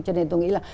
cho nên tôi nghĩ là